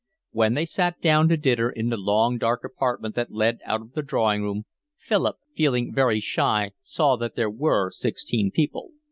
When they sat down to dinner in a long dark apartment that led out of the drawing room, Philip, feeling very shy, saw that there were sixteen people.